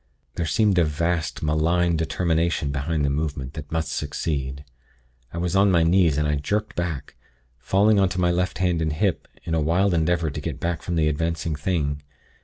There seemed a vast, malign determination behind the movement, that must succeed. I was on my knees, and I jerked back, falling on to my left hand, and hip, in a wild endeavor to get back from the advancing thing.